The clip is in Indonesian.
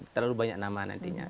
terlalu banyak nama nantinya